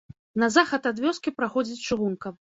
На захад ад вёскі праходзіць чыгунка.